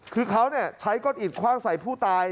คือเขาใช้ก้อนอิดคว่างใส่ผู้ตาย